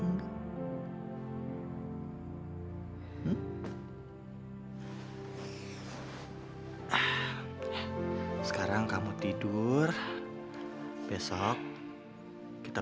hai sekarang kamu tidur di rumah